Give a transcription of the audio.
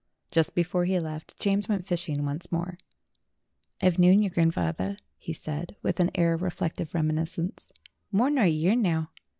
Just before he left, James went fishing once more. "I've knowed you, grandfawther," he said, with an air of reflective reminiscence, "more nor a year now.